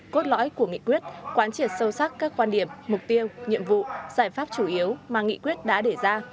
cốt lõi của nghị quyết quán triệt sâu sắc các quan điểm mục tiêu nhiệm vụ giải pháp chủ yếu mà nghị quyết đã để ra